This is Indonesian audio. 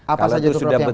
apa saja itu prof